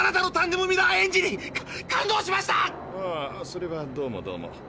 それはどうもどうも。